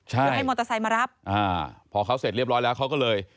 คือให้มอเตอร์ไซค์มารับอ่าพอเขาเสร็จเรียบร้อยแล้วเขาก็เลย